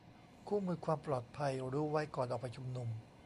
คู่มือความปลอดภัย : รู้ไว้ก่อนออกไปชุมนุม